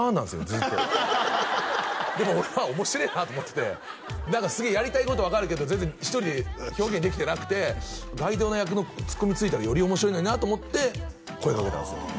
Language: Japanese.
ずっとでも俺は「おもしれえな」と思っててすげえやりたいこと分かるけど全然１人で表現できてなくてガイド役のツッコミついたらより面白いのになと思って声かけたんすよ